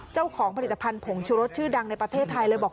เจ้าของผลิตภัณฑ์ผงชุรสชื่อดังในประเทศไทยเลยบอก